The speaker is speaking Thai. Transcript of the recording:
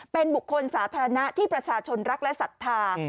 เป็นบุคคลสาธารณะที่ประชาชนรักและศรัทธา